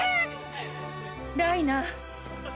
・ライナー。